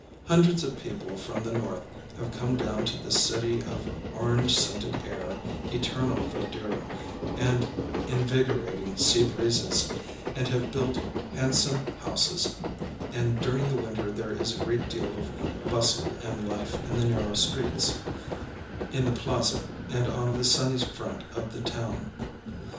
Hundreds of people from the North have come down to this city of orange scented air, eternal verdure, and invigorating sea breezes, and have built handsome[Pg 124] houses; and during the winter there is a great deal of bustle and life in the narrow streets, in the Plaza, and on the sunny front of the town.